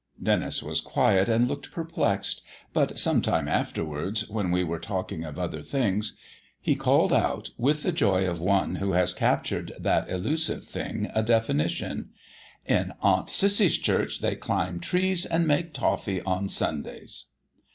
Denis was silent and looked perplexed; but some time afterwards, when we were talking of other things, he called out, with the joy of one who has captured that elusive thing, a definition: "In Aunt Cissy's church they climb trees and make toffee on Sundays."